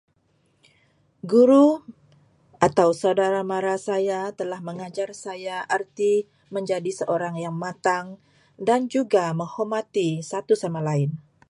Guru atau saudara-mara saya telah mengajar saya erti menjadi seorang yang matang dan juga menghormati satu sama lain.